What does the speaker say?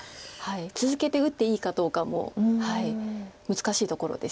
続けて打っていいかどうかも難しいところです。